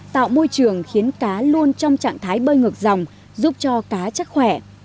tạo môi trường khiến cá luôn trong trạng thái bơi ngược dòng giúp cho cá chắc khỏe